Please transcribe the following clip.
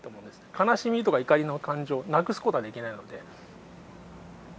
悲しみとか怒りの感情をなくすことはできないので。